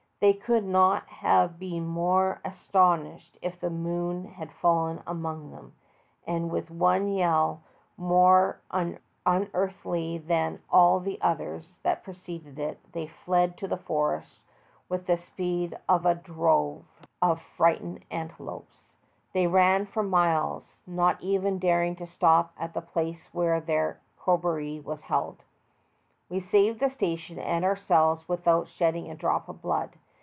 They could not have been more astonished if the moon had fallen among them, and with one 3^ell more unearthly than all the others that preceded it, they fled to the forest with the speed of a drove A COKROBOREE IN AUSTRALIA. 207 of frightened antelopes. They ran for miles, not even daring to stop at the place where their corroboree was held. We saved the station and ourselves without shedding a drop of blood.